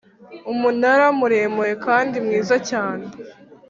umunara muremure kandi mwiza cyane,